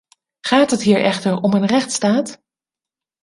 Gaat het hier echter om een rechtsstaat?